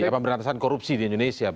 pemberantasan korupsi di indonesia